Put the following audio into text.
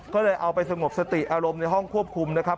ก็เลยเอาไปสงบสติอารมณ์ในห้องควบคุมนะครับ